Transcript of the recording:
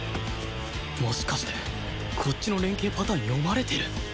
もしかしてこっちの連携パターン読まれてる！？